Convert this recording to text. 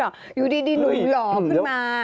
ตอนนั้นหนุ่มไม่หล่ออยู่ดีหนุ่มหลอขึ้นมา